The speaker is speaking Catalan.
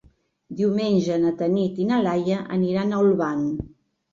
Diumenge na Tanit i na Laia aniran a Olvan.